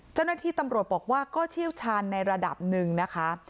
เจ้าหน้าที่ตำรวจบอกว่าก็เชี่ยวชาญในระดับหนึ่งนะคะ